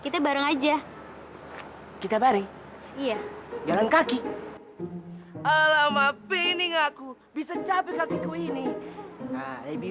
kita bareng aja kita bareng iya jangan kaki alamak pining aku bisa capek kakiku ini lebih